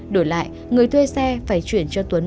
đổi lại người thuê xe phải chuyển cho tuấn